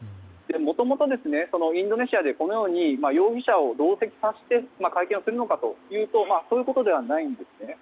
もともとインドネシアでこのように容疑者を同席させて会見をするのかというとそういうことではないんですね。